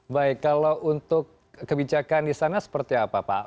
baik kalau untuk kebijakan di sana seperti apa pak